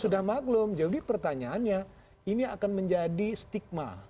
sudah maklum jadi pertanyaannya ini akan menjadi stigma